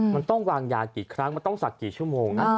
มันต้องวางยากี่ครั้งมันต้องสักกี่ชั่วโมงนะ